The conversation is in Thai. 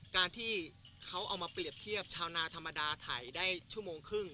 การที่เขาเอามาเปรียบเทียบชาวนาธรรมดาถ่ายได้ชั่วโมงครึ่ง